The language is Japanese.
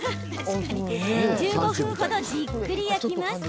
１５分程じっくり焼きます。